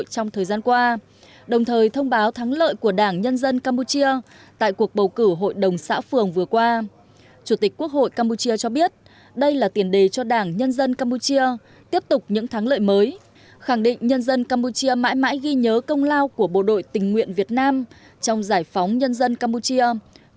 chủ tịch quốc hội campuchia cho biết đây là tiền đề cho đảng nhân dân campuchia tiếp tục những thắng lợi mới khẳng định nhân dân campuchia mãi mãi ghi nhớ công lao của bộ đội tình nguyện việt nam trong giải phóng nhân dân campuchia thoát khỏi chế độ diệt chủng pol pot